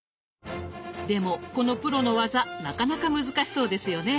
でもこのプロの技なかなか難しそうですよね。